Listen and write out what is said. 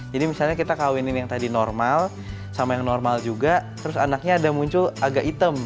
jadi misalnya kita kawinin yang tadi normal sama yang normal juga terus anaknya ada muncul agak hitam